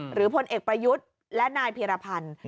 พลเอกประยุทธ์และนายเพียรพันธ์